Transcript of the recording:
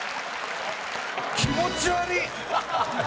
気持ち悪い！